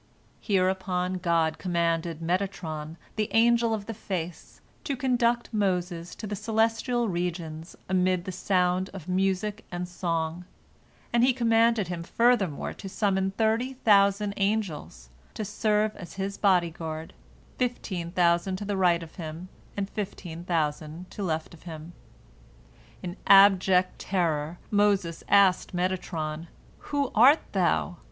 Hereupon God commanded Metatron, the Angel of the Face, to conduct Moses to the celestial regions amid the sound of music and song, and He commanded him furthermore to summon thirty thousand angels, to serve as his body guard, fifteen thousand to right of him and fifteen thousand to left of him. In abject terror Moses asked Metatron, "Who art thou?"